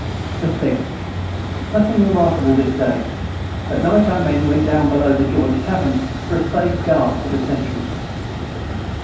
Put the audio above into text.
the 6. Nothing remarkable this day at Night our men went down below the george tavern for a safe guard for the centrys.